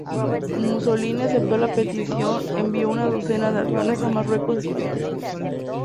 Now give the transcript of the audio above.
Mussolini aceptó la petición y envió una docena de aviones al Marruecos español.